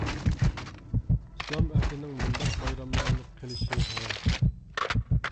ئىسلام ئەھلىنىڭ مۇنداق بايراملارنى قىلىشى ھارام.